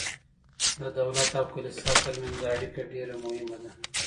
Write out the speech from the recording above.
د دولت او کلیسا ترمنځ اړیکه ډیره مهمه ده.